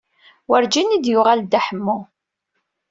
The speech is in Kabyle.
Werǧin i d-yuɣal Dda Ḥemmu.